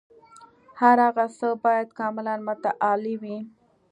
هر هغه څه باید کاملاً متعالي وي.